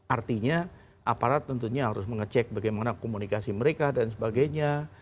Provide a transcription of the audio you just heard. artinya aparat tentunya harus mengecek bagaimana komunikasi mereka dan sebagainya